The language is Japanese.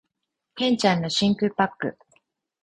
剣ちゃんの真空パック